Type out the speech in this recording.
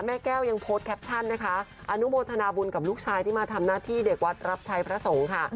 แม่แก้วยังโพสต์แคปชั่นนะคะอนุโมทนาบุญกับลูกชายที่มาทำหน้าที่เด็กวัดรับชัยพระสงฆ์ค่ะ